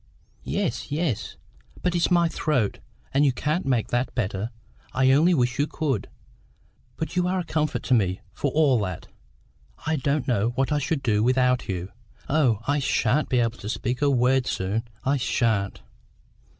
"Yes, yes. But it's my throat, and you can't make that better; I only wish you could. But you are a comfort to me, for all that; I don't know what I should do without you. Oh, I sha'n't be able to speak a word soon, I sha'n't!"